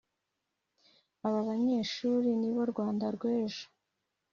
Aba (abanyeshuli) nibo Rwanda rw’ejo